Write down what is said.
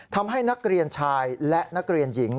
ทำให้นักเรียนชายและนักเรียนหญิง